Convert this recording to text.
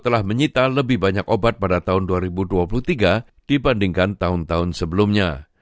telah menyita lebih banyak obat pada tahun dua ribu dua puluh tiga dibandingkan tahun tahun sebelumnya